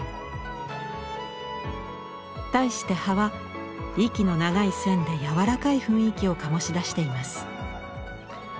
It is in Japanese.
対して葉は息の長い線で柔らかい雰囲気を醸し出しています。